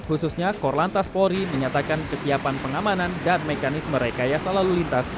seharusnya kor lantas polri menyatakan kesiapan pengamanan dan mekanisme rekaya selalu lintas